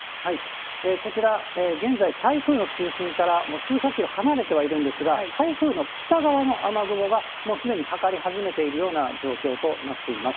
こちら、現在、台風の中心からもう数百キロ離れてはいるんですが、台風の北側の雨雲が、もうすでにかかり始めているような状況となっています。